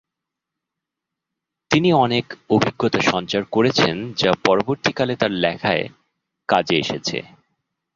তিনি অনেক অভিজ্ঞতা সঞ্চার করেছেন যা পরবর্তীকালে তার লেখার কাজে এসেছে।